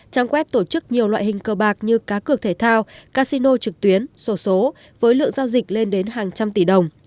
trang web tổ chức nhiều loại hình cờ bạc như cá cược thể thao casino trực tuyến sổ số với lượng giao dịch lên đến hàng trăm tỷ đồng